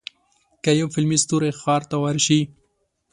که یو فلمي ستوری ښار ته ورشي.